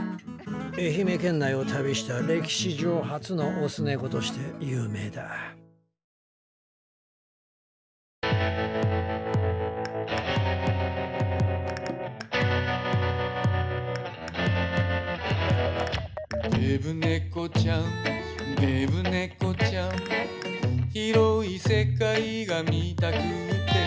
愛媛県内を旅した歴史上初のオス猫として有名だ「デブ猫ちゃんデブ猫ちゃん」「広い世界が見たくって」